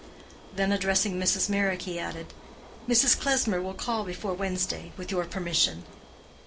Then addressing Mrs. Meyrick, he added, "Mrs. Klesmer will call before Wednesday, with your permission."